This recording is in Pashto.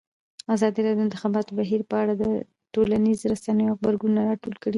ازادي راډیو د د انتخاباتو بهیر په اړه د ټولنیزو رسنیو غبرګونونه راټول کړي.